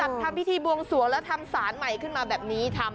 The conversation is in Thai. เออก็เลยจัดพิธีบวงสวนแล้วทำศาลใหม่ขึ้นมาแบบนี้ทำ